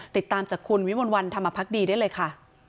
ติดตามจากคุณวิมลวันธรรมพักดีได้เลยค่ะ